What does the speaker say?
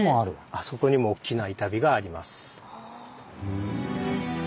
あそこにも大きな板碑があります。